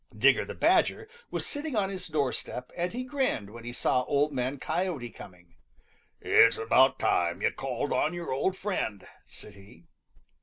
Digger the Badger was sitting on his doorstep, and he grinned when he saw Old Man Coyote coming. "It's about time you called on your old friend," said he.